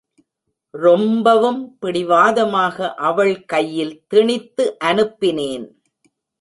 ரொம்பவும் பிடிவாதமாக அவள் கையில் திணித்து அனுப்பினேன்.